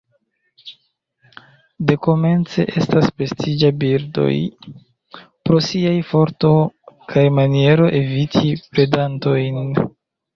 Dekomence estas prestiĝa birdoj pro siaj forto kaj maniero eviti predantojn.